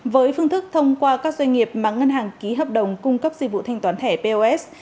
với phương thức thông qua các doanh nghiệp mà ngân hàng ký hợp đồng cung cấp dịch vụ thanh toán thẻ pos